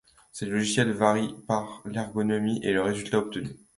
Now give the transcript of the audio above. Ces logiciels varient par l'ergonomie et le résultat obtenu.